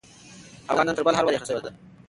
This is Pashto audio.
هوا نن تر بل هر وخت ډېره یخه شوې ده.